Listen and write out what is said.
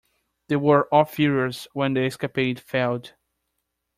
They were all furious when the escapade failed.